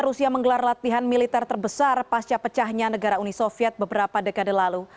rusia menggelar latihan militer terbesar pasca pecahnya negara uni soviet beberapa dekade lalu